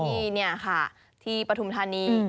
นี่ค่ะที่ปฐุมธานี